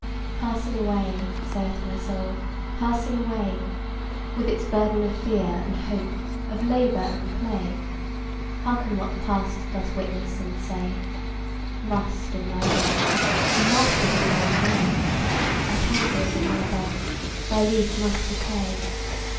Passing away, saith my Soul, passing away: With its burden of fear and hope, of labor and play; Hearken what the past doth witness and say: Rust in thy gold, a moth is in thine array, A canker is in thy bud, thy leaf must decay.